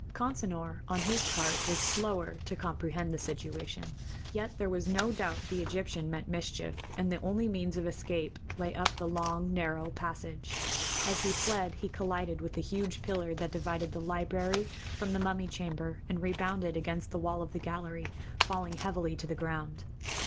Consinor, on his part, was slower to comprehend the situation; yet there was no doubt the Egyptian meant mischief, and the only means of escape lay up the long, narrow passage. As he fled he collided with the huge pillar that divided the library from the mummy chamber and rebounded against the wall of the gallery, falling heavily to the ground.